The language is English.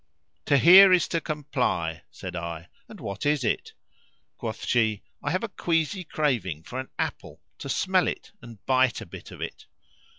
To hear is to comply," said I. "And what is it?" Quoth she, "I have a queasy craving for an apple, to smell it and bite a bit of it."